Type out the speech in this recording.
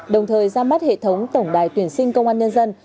đồng thời ra mắt hệ thống tổng đài tuyển sinh công an nhân dân